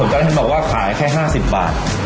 ค่ะผมก็ได้ให้บอกว่าขายแค่๕๐บาท